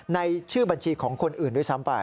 ในชื่อบัญชีของคนอื่นด้วยซ้ำไป